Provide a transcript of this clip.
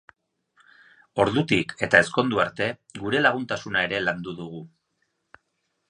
Ordutik eta ezkondu arte, gure laguntasuna ere landu dugu.